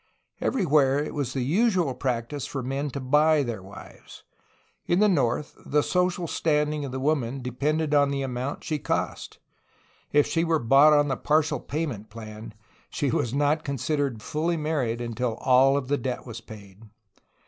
Everywhere it was the usual practice for men to buy their wives. In the north the social standing of the woman depended on the amount she cost; if she were bought on the partial payment plan she was not considered fully married until all of the debt was paid.